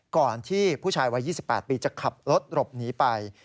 ก่อนที่ผู้ชายวัย๒๘ปีจะขับรถหลบหนีไป